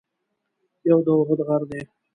یو د اُحد غر دی.